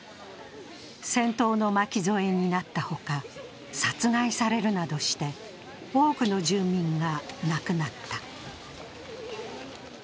戦闘の巻き添えになったほか殺害されるなどして多くの住民が亡くなった。